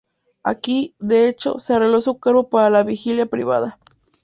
Aquí, de hecho, se arregló su cuerpo para la vigilia privada.